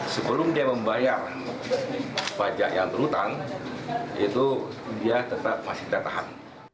sebelum dia membayar pajak yang berhutang dia masih tetap tertahan